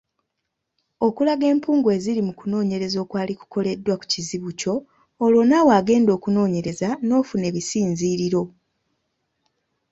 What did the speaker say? Okulaga empungu eziri mu kunoonyereza okwali kukoleddwa ku kizibu kyo olwo naawe agenda okunoonyereza n’ofuna ebisinziiriro.